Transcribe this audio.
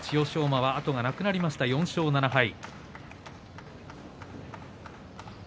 馬は後がなくなりました、４勝７敗。